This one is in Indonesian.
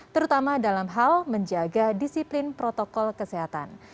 terutama dalam hal menjaga disiplin protokol kesehatan